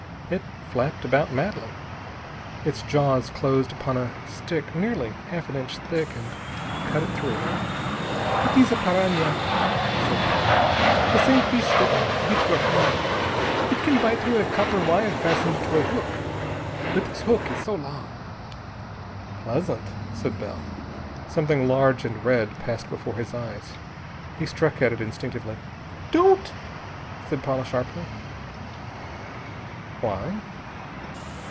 It flapped about madly. Its jaws closed upon a stick nearly half an inch thick, and cut it through. "It is a piranha," said Paula. "The same fish that bit your hand. It can bite through a copper wire fastened to a hook, but this hook is so long...." "Pleasant," said Bell. Something large and red passed before his eyes. He struck at it instinctively. "Don't!" said Paula sharply. "Why?"